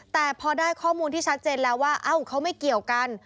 แต่พอได้ข้อมูลที่ชัดเจนแล้วว่าเอ้าเขาไม่เกี่ยวกัน